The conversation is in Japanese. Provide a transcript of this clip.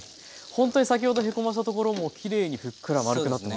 ほんとに先ほどへこましたところもきれいにふっくら丸くなってますね。